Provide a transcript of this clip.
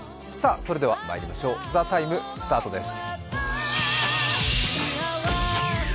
それではまいりしまょう、「ＴＨＥＴＩＭＥ，」スタートです。